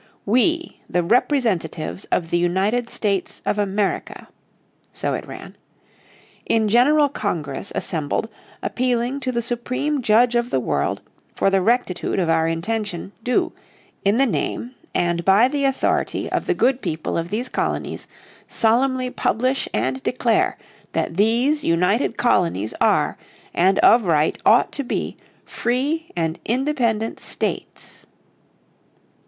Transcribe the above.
"We, the Representatives of the United States of America," so it ran," in General Congress assembled, appealing to the supreme judge of the world for the rectitude of our intention, do, in the name, and by the authority of the good people of these colonies, solemnly publish and declare, that these united colonies are, and of right ought to be, Free and Independent States."